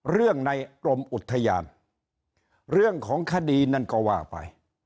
ในกรมอุทยานเรื่องของคดีนั่นก็ว่าไป